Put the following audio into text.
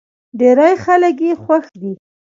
ډېری خلک يې خوښ دی.